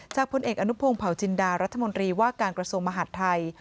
พลเอกอนุพงศ์เผาจินดารัฐมนตรีว่าการกระทรวงมหาดไทย